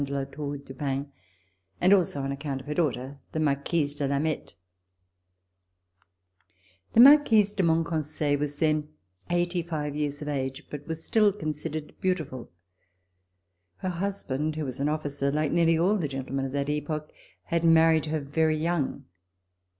de La Four du Pin, and also on account of her daughter, the Marquise de Lameth. The Marquise de Monconseil was then eighty five years of age, but was still considered beautiful. Her husband, who was an officer, like nearly all the gentlemen of that epoch, had married her very young.